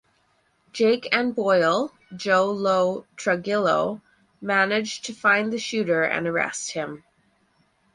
Jake and Boyle (Joe Lo Truglio) manage to find the shooter and arrest him.